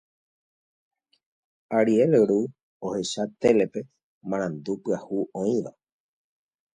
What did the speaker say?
Ariel ru ohecha télepe marandu pyahu oĩva.